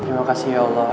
terima kasih ya allah